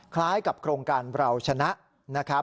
คล้ายกับโครงการเราชนะนะครับ